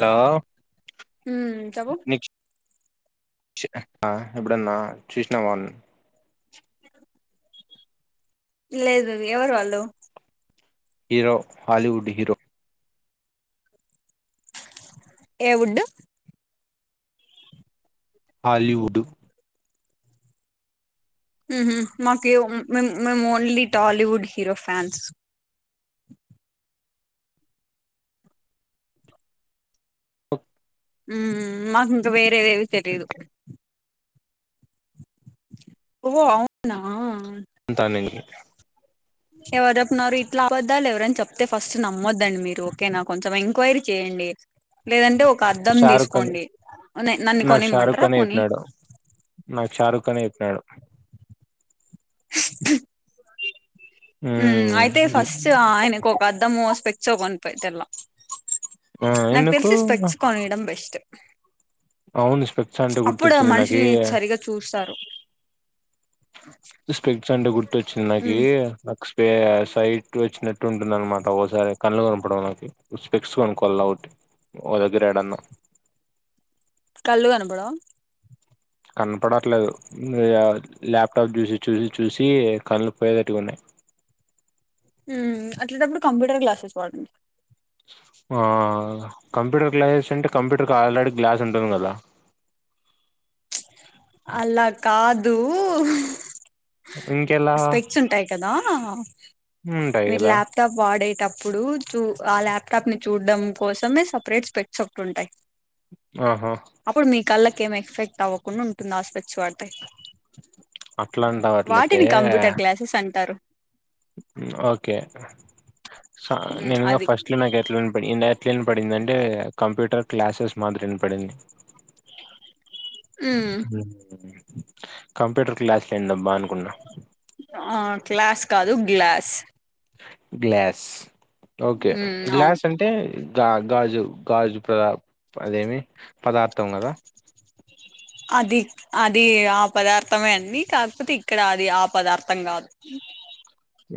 Hello ఉమ్ చెప్పు నీకు [unintelligible] ఎప్పుడన్నా చుసినవా అన్నా [inaudible] లేదు ఎవరు వాళ్ళు హీరో హాలీవుడ్ హీరో ఏ వుడ్ హాలీవుడ్ హుహు మక్యు వ్ మేం మేము ఓన్లీ టాలీవుడ్ హీరో ఫ్యాన్స్ ఉమ్ మాకింగా వేరేవేవి తెలీదు. ఓ అవునా అంతా నేను ఎవర్ చెప్పున్నారు ఇట్లా అవద్దాలు ఎవరని చెప్తే ఫస్ట్ నమ్మొద్దండి మీరు ఓకే నా కొంచెం ఎంక్వైరీ చేయండి లేదంటే ఒక అద్దం షారుఖ్ ఖాన్ తీసుకోండి నన్ను నాకు షారుఖ్ కొనిమ్మంటారా ఖానే కొని చెప్పినాడు నాకు షారుఖనే చెప్పిన్నాడు అయితే ఫస్ట్ ఆయనకు ఒక అద్దము స్పెక్టో కొనిపెటల్లా ఆ నాక్ ఎందుకు తెలిసి స్పెక్స్ కొనియడం బెస్ట్ అవును స్పెక్స్ అంటే అప్పుడు గుర్తొచ్చింది నాకి మనుషుల్ని సరిగా చూస్తారు స్పెక్స్ అంటే గుర్తుచ్చింది నాకి ఉమ్ నాకు స్పే సైట్ వచ్చినట్టు ఉంటుంది అనమాట ఓసారి కళ్ళు కనపడవ్ నాకు స్పెక్స్ కొనుకోల ఓటి ఓ దగ్గరేడన్నా కళ్ళు కనపడవ కనపడట్లేదు ల్యాప్టాప్ చూసి చూసి చూసి కళ్లు పోయేటట్లు ఉన్నాయి అట్లాటప్పుడు కంప్యూటర్ గ్లాసెస్ వాడండి ఆ కంప్యూటర్ గ్లాసెస్ అంటే కంప్యూటర్ కి ఆల్రెడీ గ్లాస్ ఉంటుంది కదా అలా కాదు ఇంకెలా స్పెక్స్ ఉంటాయి కదా ఉంటాయి మీరు కదా లాప్ టాప్ వాడేటప్పుడు చూ ఆ ల్యాప్టాప్ ని చూడడం కోసమే సెపరేట్ స్పెక్స్ ఒకటి ఉంటాయి ఆహా అప్పుడు మీ కళ్ళకి ఏం ఎఫెక్ట్ అవ్వకుండా ఉంటుంది ఆ స్పెక్స్ వాడితే అట్లా అంటావు అట్లయితే వాటిని కంప్యూటర్ గ్లాసెస్ అంటారు ఓకే స మ్మ్ నిజంగా అది ఫస్ట్ లో నాకైతే ఇం ఎట్ల వినపడింది అంటే కంప్యూటర్ క్లాసెస్ మాదిరి వినపడింది మ్మ్ కంప్యూటర్ క్లాసులెందబ్బ అనుకున్నా ఆ క్లాస్ కాదు గ్లాస్ గ్లాస్ ఓకే మ్మ్ అవును గ్లాస్ అంటే అంటే గా గాజు గాజు ప్రద అదేమి పదార్థం కదా అది అది ఆ పదార్థమే అండి కాకపోతే ఇక్కడ అది ఆ పదార్థం కాదు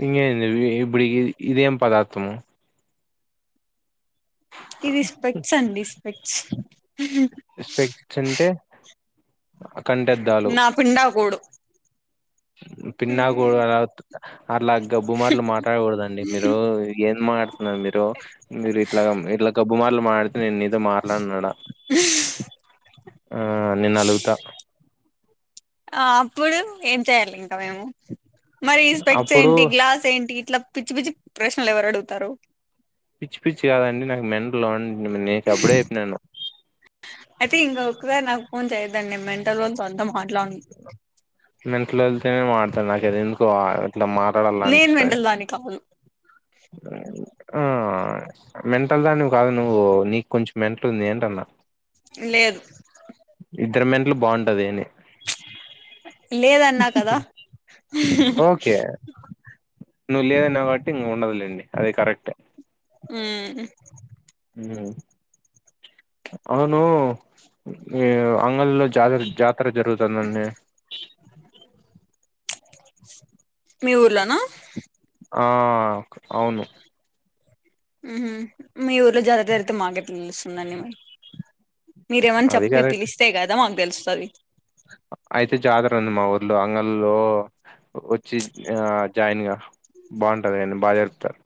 ఎందీ ఇది ఇప్పుడి ఇదేం పదార్థము ఇది స్పెక్స్ అండి స్పెక్స్ స్పెక్స్ అంటే కంటిదలు పిండాకుడు పిండాకుడు అనదు అట్లా గబ్బు మాటలు మాట్లాడకూడదండి మీరు ఏం మా మీరు మీరు ఇట్లా ఇట్లా కబ్బుమటలు మాడితే నేను మీతో మాట్లానున్నాడా ఆ నేను అలుగుతా ఆ అప్పుడు ఏం చెయ్యాలి ఇంకా మేము మరి ఈ స్పెక్స్ అప్పుడు ఏంటి గ్లాస్ సెంటీ ఇట్లా పిచ్చి పిచ్చి ప్రశ్నలు ఎవరు అడుగుతారు పిచ్చి పిచ్చి కాదండి నాకు మెంటల్లో అని నే మిక్ అప్పుడే చెప్పినను అయితే ఇంక ఒకసారి నాకు ఫోన్ చేయద్దండి మంటలోతో అంతా మాట్లాడను మెంట్లోల్తోనే మాడతాను నాక ఎందుకో అట్లా మ ట్లాడాలి నేను అనిపిస్తాది మెంటల్ దాన్ని కాదు ఆ మెంటల్ దానీవి కాదు నువ్వు నీకు కొంచెం మెంట్లు ఉంది అంటన్న లేదు ఇద్దరు మేంట్లు బాగుంటది అని లేదన్నా కదా ఓకే నువ్వు లేదన్నవ్ కాబట్టి ఇంక ఉండదులేండి అది కరెక్ట్ ఉ అవును ఇ అంగల్లో జాత జాతర జరుగుతుందండి మీ ఊర్లో నా ఆ అవును ఉహు మీ ఊర్లో జాతర జరుగుతే మాకేట్లా తేలుస్తుందండి మరి మీరేమన్నా అది చెప్పి కరెక్ట్ పిలిస్తే కదా మాకు తిలుస్తది అయితే జాతర ఉంది మా ఊర్లో అంగల్లో వచ్చి ఆ జాయిన్ గా బాగుంటది అండి బా జరుపుతారు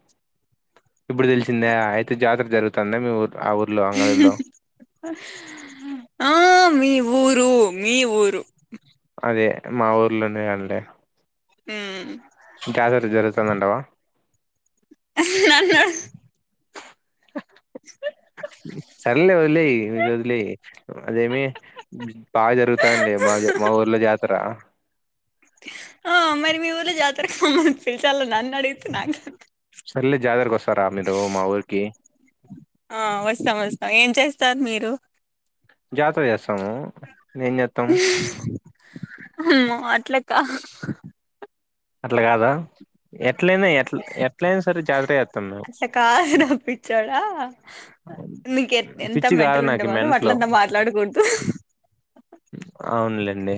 ఇప్పుడు తెలిసింద అయితే జాతర జరుగుతుందా మీ ఊరు ఆ ఊర్లో అంగళూలో ఆ మీ ఊరు మీ ఊరు అదే మా ఊర్లోనే అండీ ఉ [unintelligible] జరుగుతుందంటావా నన్న హ్ సర్లే వదిలేయి ఇది వదిలేయి అదేమి బాగా జరుగుతానులే మా మా ఊర్లో జాతర ఆ మరి మీ ఊర్ల జాతరకు రమ్మని పిలిచాల నన్ను అడుగితే నాకు సరే జాతర్కీ వస్తారా మీరు మా ఊరికి ఆ వస్తాం వస్తాం ఏం చేస్తారు మీరు జాతర చేస్తాము ఎంజేత్తం అమ్మో అట్లా కాద్ అట్లా కాదా ఎట్లయినా ఎట్ ఎట్లయినా సరే జాతర చేస్తాం మేము అట్లా కాదుర పిచ్చోడా నీకు ఎ ఎంత పిచ్చి కాదు మెంటల్ ఉంటే నాకు మాత్రం మెంట్లో అట్లంతా మాట్లాడుకుడదు అవునులేండి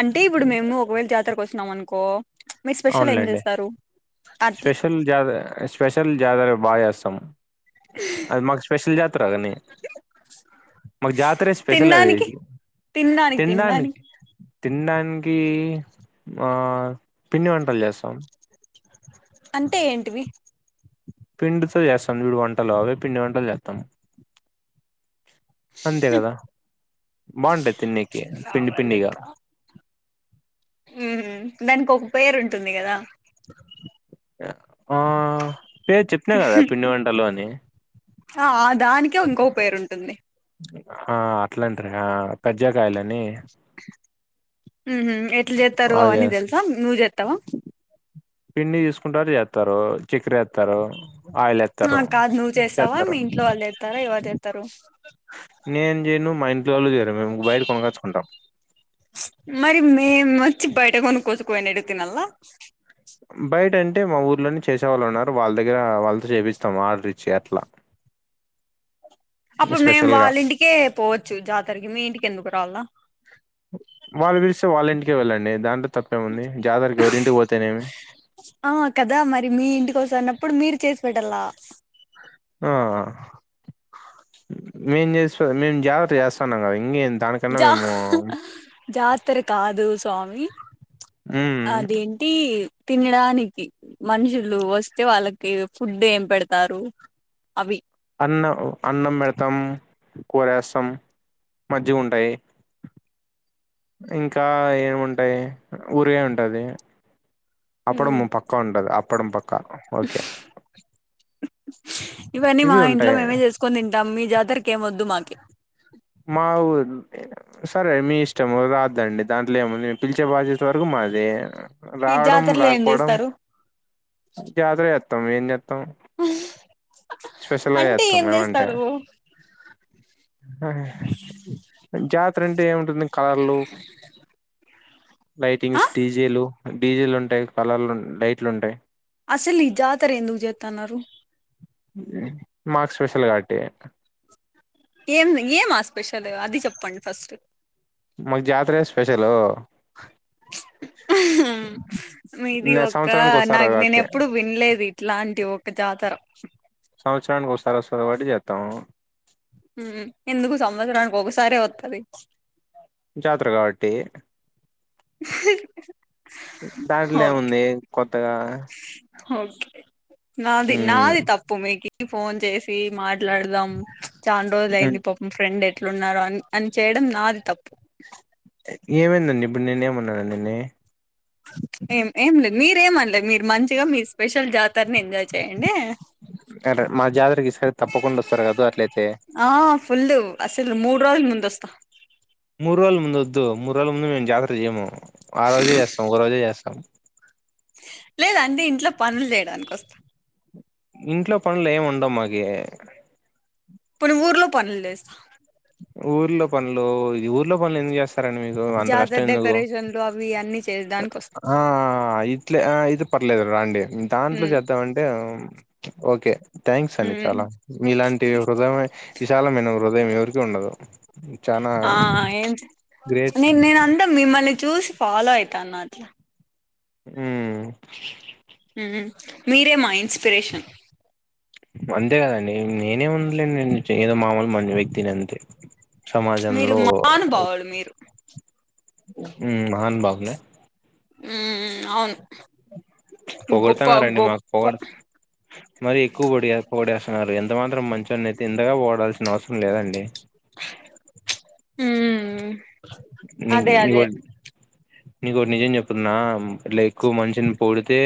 అంటే ఇప్పుడు మేము ఒకవేళ జాతరకు వచ్చినామనుకో అనుకో మీరు స్పెషల్ ఏం చేస్తారు అట్లా జత స్పెషల్ జాతర బా చేస్తాము అది మాకు స్పెషల్ జతాగాని మాకు జాతర స్పెషల్ అది తినడానికి తినడానికి తినడానికి తిన్డానికి తినడానికి ఆ పిండి వంటలు చేస్తాం అంటే ఏంటివి పిండితో చేస్తాం చుడు వంటలు అవే పిండి వంటలు చేస్తాం అంతే కదా బావుంటయి తిన్నీకి నా పిండి పిండిగా ఉ దానికి ఒక పేరు ఉంటుంది కదా ఆ పేరు చెప్పినా కదా పిండి వంటలూ అని ఆ దానికే ఇంకో పేరు ఉంటుంది ఆ అట్లాంటరు కజ్జాకాయలని ఎట్ల జేత్తారో అవి అవన్ని చేస్ తెలుసా నువ్వు జేత్తావా పిండి తీసుకుంటారు చేత్తారు చక్కెర వేత్తారు ఆయిల్ వేత్తరు చేత్తారు తాలేవా ఎవర్ చేత్తారు నేను చేయను మా ఇంట్లో వాళ్ళు చేయరు మేము బయట కొనగచ్చుకుంటాం మరి మేమొచ్చి బయట కొని కూచకుయినిడుగు తినాలా బయట అంటే మా ఊర్లోనే చేసేవాళ్ళు ఉన్నారు వాళ్ళ దగ్గర వాళ్ళతో చేపిస్తాము ఆర్డర్ ఇచ్చి అట్లా హ్మ్ అప్పుడ్ మేము వాళ్ళ ఇంటికే పోవచ్చు జాతరకి మీ ఇంటికి ఎందుకు రావాలా వాళ్ళు పిలిస్తే వాళ్ళ ఇంటికే వెళ్ళండి దాంట్లో తప్పేంముంది జాతరకి ఎవరింటికి పోతేనేమి ఆ కదా మరి మీ ఇంటికి వసున్నప్పుడు మీరు చేసి పెట్టాల ఆహ మేం చేస్త మేము జాతర్ చేస్తాన్నాం కదా ఇంకేం దానికన్నా జా మేము జాతర కాదు స్వామి హ్మ్ అదేంటి తినడానికి మనుషులు వస్తే వాళ్ళకి ఫుడ్ ఏం పెడతారు అవి అన్నం అన్నం బెడతాం కూరేస్తాం మజ్జిగుంటాయి ఇంకా ఏమింటాయి ఊరిగాయ్ ఉంటది అప్పుడు ఉమ్ పక్కా ఉంటది అప్పుడం పక్కా ఓకే ఇవన్నీ మా ఇవి ఇంట్లో ఉంటాయి మేమే చేసుకొని తింటాం మీ జాతరకి ఏమ్ వద్దు మాకి మాఊరతే సరే మీ ఇష్టము రావద్దండి దాంట్లో ఏముంది నేను పిలిచే బాధ్యత వరకు మాదే ఈ రావడం జాతరలో ఏం రాకపోవడం చేస్తారు జాతర చెస్తాం ఏం చేస్తాం అంటే ఏం ఏమంటే చేస్తారు జాతర అంటే ఏముంటుంది కలర్లు ఆ లైటింగ్స్ డీజేలు డీజేలు ఉంటాయి కలర్లు లైట్లు ఉంటాయి అసలీ జాతర ఎందుకుజేతున్నారు మాక్ స్పెషల్ కావట్టి ఏం ఏం ఆ స్పెషలు అది చెప్పండి ఫస్ట్ మాకు జాతరే స్పెషలు మీది నే ఒక సంవత్సరానికి వస్తారు నాక్ నేను కాబట్టి ఎప్పుడు వినలేదిది ఇట్లాంటి ఒక జాతర సంవత్సరానికి ఓసారి వస్తది కాబట్టి చేత్తాం ఎందుకు సంవత్సరానికి ఒకసారే వత్తది జాతర కాబట్టి దాంట్లో ఓ ఏముంది కొత్తగా ఓకే నాది ఉమ్ నాది తప్పు మీకి ఫోన్ చేసి మాట్లాడదాం చాన్ రోజులు ఉమ్ అయింది పాపంఫ్రెండ్ ఎట్లున్నారో అని అని చేయడం నాది తప్పు ఏమైందండి ఇప్పుడు నేనే ఏమన్నాన నేన్ని ఏం ఏం లేదు మీరేమనలేదు మీరు మంచిగా మీ స్పెషల్ జాతరని ఎంజాయ్ చేయండే. ఎంటే మా జాతరకి ఈసారి తప్పకుండా వస్తారు కదు అట్లయితే. ఆ ఫుల్లు అస్సలు మూడు రోజులు ముందొస్త. మూడు రోజుల ముందు వద్దు, మూడు రోజుల ముందు మేము జాతర చేయము ఆ రోజే చేస్తాము ఒక రోజే చేస్తాం. లేదంటే ఇంట్లో పనులు చేయడానికి వస్తా. ఇంట్లో పనులు ఏం ఉండవు మాకి. పోని ఊర్లో పనులు చేస్తా. ఊర్లో పనులు, ఊర్లో పనులు ఎందుకు చేస్తారండి మీరు. జాతర డెకరేషన్లు అవి అన్నీ ఆ ఇట్లే ఆ ఇది పర్లేదు రండి దాంట్లో ఉమ్ చేద్దామంటే ఓకే థ్యాంక్స్ అండి ఉమ్ చాలా మీలాంటి హృదయమే విశాలమైన హృదయం ఎవరికీ ఉండదు. చానా ఆ ఏం గ్రేట్ నేను నేను అంతా మిమ్మల్ని చూసి ఫాలో అయితాన్న అట్లా. ఉహ్ మ్మ్ మీరే మా ఇన్స్పిరేషన్. అంతే కదండి నేనే ఉండలేను చే ఏదో మామూలు మ [inaudible] వ్యక్తిని అంతే. సమాజంలో అది మీరు హ్మ్ మహాన్ బాగుందా. హ్మ్ అవును. గొప్ప పొగుడుతున్నారండి మాకు గొప్ప పొగుడుత మరి ఎక్కువ పొడిగే పొగిడేస్తున్నారు, ఎంత మాత్రం మంచ్చోనయితే ఇంతగా పొగడాల్సిన అవసరం లేదండి. హ్మ్ [unintelligible] నీకోటి నిజం చెప్తున్నా ఇట్ల ఎక్కువ మనిషిని పొగిడితే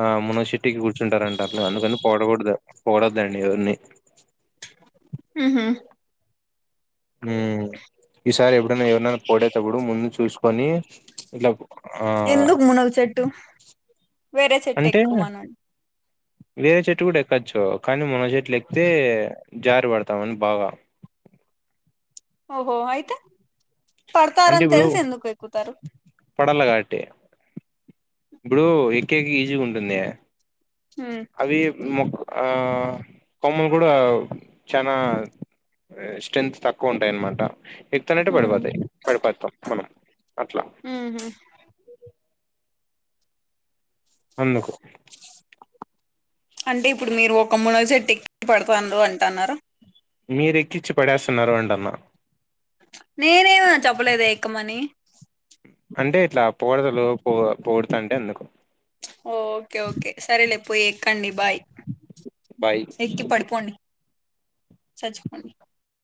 ఆ మునగ షెట్టేక్కి కూర్చుంటారంట అట్లా అందుకని అందుకు పొగడకూడదు పొగడొద్దండి ఎవర్ని. ఆహా హ్మ్ ఈసారి ఎప్పుడైనా ఎవరినన్నా పొగిడేటప్పుడు ముందు చూసుకొని ఇట్లా ఆ ఎందుకు మునగ చెట్టు వేరే చెట్టు అంటే ఎక్కుమనండి. వేరే చెట్టు కూడా ఎక్కచ్చు కానీ మునగ చెట్లు ఎక్కితే జారి పడతామని బాగా ఓహో అయితే అంటే పడతారని ఇప్పుడు తెల్సి ఎందుకు ఎక్కుతరు. పడాల కాట్టి ఇప్పుడు ఎక్కేకి ఈజీగా ఉంటుందిగా హ్ అవి మె ఆ కొమ్మలు కూడా చానా స్ట్రెంత్ తక్కువ ఉంటాయి అనమాట. ఎక్తనట్టే మ్మ్ పడిపోతయి పడిపోతాం మనం అట్లా. ఆహా అందుకు అంటే ఇప్పుడు మీరు ఒక మునగ చెట్టు ఎక్కి పడుతాంర్రు అంటన్నార. మీరు ఎక్కిచ్చి పడేస్తున్నారు అంటున్న. నేనేమే చెప్పలేదే ఎక్కమనీ. అంటే ఇట్లా పొగడ్తలు పొ పొగుడ్తాంటే అందుకు. ఓకే ఓకే సరేలే పోయి ఎక్కండి బాయ్. బాయ్ ఎక్కి పడిపోండి చచ్చిపోండి